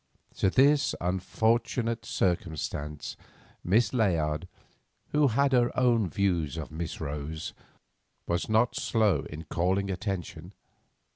To this unfortunate circumstance Miss Layard, who had her own views of Miss Rose, was not slow in calling attention.